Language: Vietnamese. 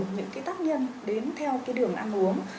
những cái tác nhân đến theo cái đường ăn uống